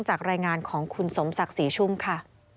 จากรายงานของคุณสมศักดิ์ศรีชุ่มค่ะ